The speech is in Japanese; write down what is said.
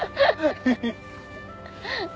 フフフッ。